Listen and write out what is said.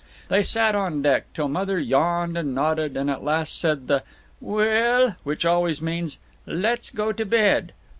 They sat on deck till Mother yawned and nodded and at last said the "Wel l " which always means, "Let's go to bed."